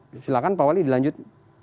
silahkan pak wali dilanjut